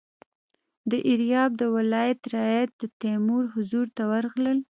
د ایریاب د ولایت رعیت د تیمور حضور ته ورغلل.